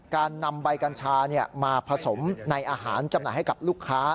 การนำใบกัญชามาผสมในอาหารจำหน่ายให้กับลูกค้า